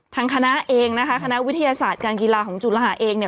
ทางคณะเองนะคะคณะวิทยาศาสตร์การกีฬาของจุฬาเองเนี่ย